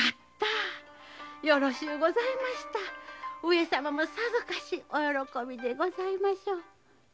上様もさぞかしお喜びでございましょう。